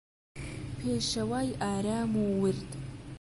پێشەوای ئارام و ورد